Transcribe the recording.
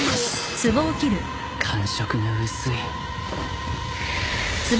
感触が薄い